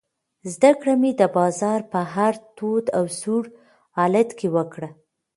زده کړه مې د بازار په هر تود او سوړ حالت کې وکړه.